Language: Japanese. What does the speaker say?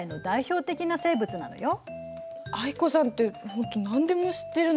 藍子さんってほんと何でも知ってるのね。